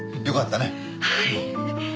よかったね。